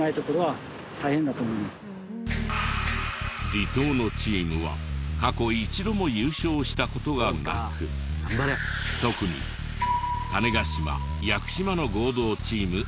離島のチームは過去一度も優勝した事がなく特に種子島・屋久島の合同チーム熊毛は。